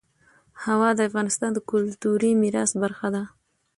هوا د افغانستان د کلتوري میراث برخه ده.